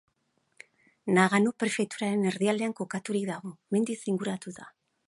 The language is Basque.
Nagano prefeturaren erdialdean kokaturik dago, mendiz inguratuta.